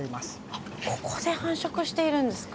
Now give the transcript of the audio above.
あっここで繁殖しているんですか？